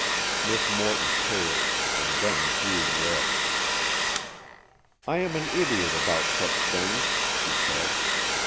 Miss Morton paled, and then grew red. "I am an idiot about such things," she said.